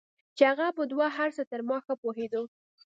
چې هغه په دو هرڅه تر ما ښه پوهېدو.